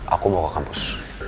aku mau ke kampus